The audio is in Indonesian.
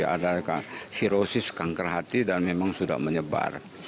ada sirosis kanker hati dan memang sudah menyebar